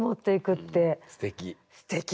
すてき。